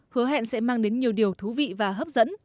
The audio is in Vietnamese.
hứa hẹn sẽ mang đến nhiều điều thú vị và hấp dẫn